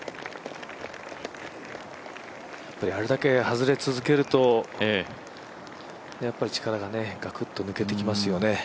あれだけ外れ続けると、やっぱり力ががくっと抜けてきますよね。